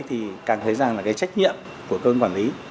thì càng thấy rằng là cái trách nhiệm của cơ quan quản lý